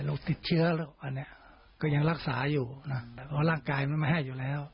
โรคติดเชื้อแล้วอันนี้ก็ยังรักษาอยู่นะก็ร่างกายเราให้อยู่แล้ว